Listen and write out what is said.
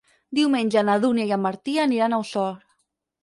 Diumenge na Dúnia i en Martí aniran a Osor.